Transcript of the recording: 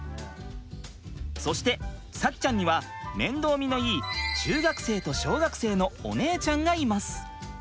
そして咲希ちゃんには面倒見のいい中学生と小学生のお姉ちゃんがいます。